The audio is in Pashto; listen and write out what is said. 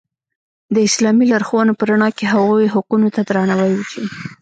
د اسلامي لارښوونو په رڼا کې هغوی حقونو ته درناوی وشي.